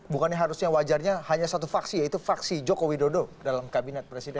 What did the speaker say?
bukannya harusnya wajarnya hanya satu faksi yaitu faksi joko widodo dalam kabinet presiden